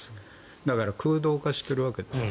だから空洞化しているわけですね。